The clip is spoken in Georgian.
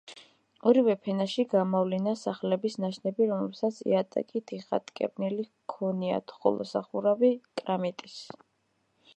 ორივე ფენაში გამოვლინდა სახლების ნაშთები, რომლებსაც იატაკი თიხატკეპნილი ჰქონიათ, ხოლო სახურავი კრამიტის.